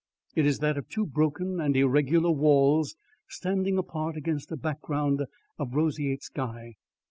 It is that of two broken and irregular walls standing apart against a background of roseate sky.